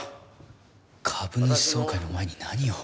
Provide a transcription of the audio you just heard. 株主総会の前に何を？